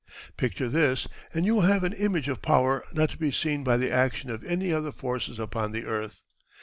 Picture this and you will have an image of power not to be seen by the action of any other forces upon the earth.